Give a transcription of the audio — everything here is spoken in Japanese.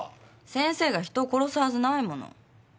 先生が人を殺すはずないもの。